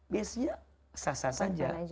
biasanya sah sah saja